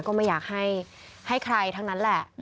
ก็ไม่อยากให้ใครทั้งนั้นแหละ